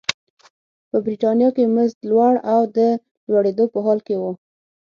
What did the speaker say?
په برېټانیا کې مزد لوړ او د لوړېدو په حال کې و.